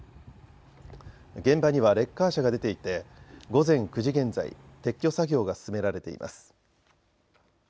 現場にはレッカー車が出ていて午前９時現在、撤去作業が進められています。